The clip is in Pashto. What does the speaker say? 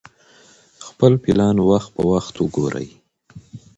خپل پلان وخت په وخت وګورئ.